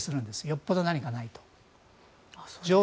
よほど何かないと。